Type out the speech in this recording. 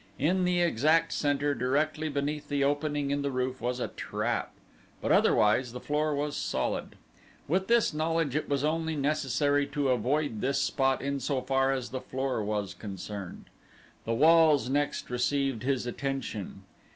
In the exact center, directly beneath the opening in the roof, was a trap, but otherwise the floor was solid. With this knowledge it was only necessary to avoid this spot in so far as the floor was concerned. The walls next received his attention.